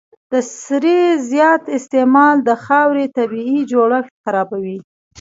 د سرې زیات استعمال د خاورې طبیعي جوړښت خرابوي.